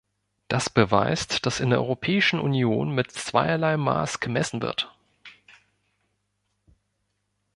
Das beweist, dass in der Europäischen Union mit zweierlei Maß gemessen wird.